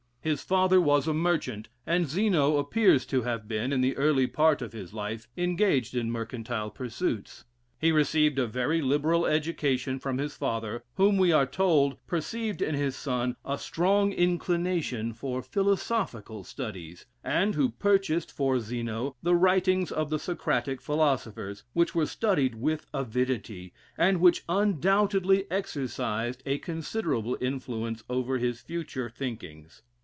His father was a merchant, and Zeno appears to have been, in the early part of his life, engaged in mercantile pursuits. He received a very liberal education from his father, whom, we are told, perceived in his son a strong inclination for philosophical studies, and who purchased for Zeno the writings of the Socratic philosophers; which were studied with avidity, and which undoubtedly exercised a considerable influence over his future thinkings.